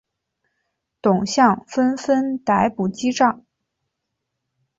董相纷纷逮捕击杖。